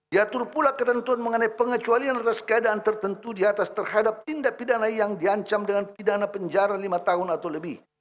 diatur pula ketentuan mengenai pengecualian atas keadaan tertentu di atas terhadap tindak pidana yang diancam dengan pidana penjara lima tahun atau lebih